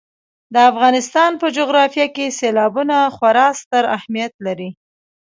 د افغانستان په جغرافیه کې سیلابونه خورا ستر اهمیت لري.